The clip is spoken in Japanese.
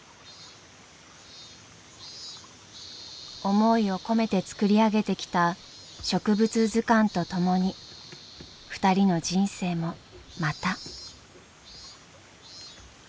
思いを込めて作り上げてきた植物図鑑と共に２人の人生もまた。